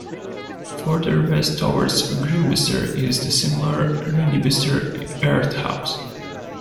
Further west towards Grimbister is the similar Rennibister Earth House.